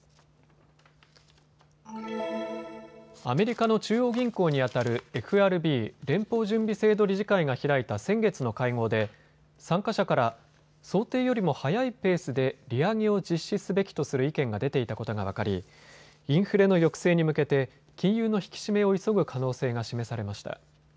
アメリカの中央銀行にあたるＦＲＢ・連邦準備制度理事会が開いた先月の会合で参加者から想定よりも速いペースで利上げを実施すべきとする意見が出ていたことが分かりインフレの抑制に向けて金融の引き締めを急ぐ可能性が示されました。